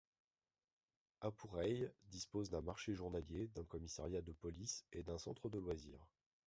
Hapurhey dispose d'un marché journalier, d'un commissariat de police et d'un centre de loisir.